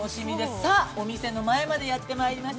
さあ、お店の前までやってまいりました。